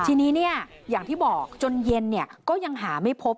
ทีนี้เนี้ยอย่างที่บอกจนเย็นเนี้ยก็ยังหาไม่พบ